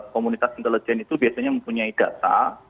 komunitas intelijen itu biasanya mempunyai data